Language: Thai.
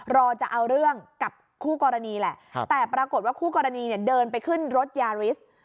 รอจะเอาเรื่องกับคู่กรณีแหละแต่ปรากฏว่าคู่กรณีเนี่ยเดินไปขึ้นรถยาริส